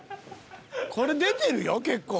［これ出てるよ結構］